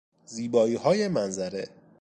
زیباییهای منظره